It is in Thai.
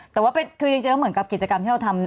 แต่ว่าเป็นคือยังไงเหมือนกับกิจกรรมที่เราทำ